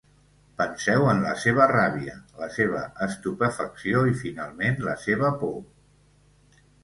Penseu en la seva ràbia, la seva estupefacció i, finalment, la seva por!